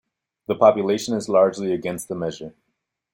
The population is largely against the measure.